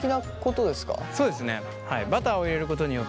そうですね。